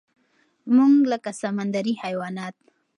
مونږ لکه سمندري حيوانات